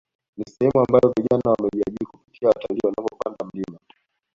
Ni sehemu ambayo vijana wamejiajiri kupitia watalii wanaopanada milima